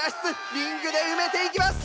リングで埋めていきます！